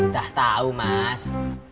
dah tau mas